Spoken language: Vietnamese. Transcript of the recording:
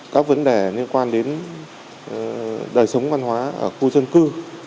các vấn đề liên quan đến đời sống văn hóa ở khu dân cư